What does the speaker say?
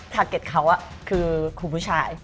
ทาร์เก็ตเค้าคือคู่ผู้ชาย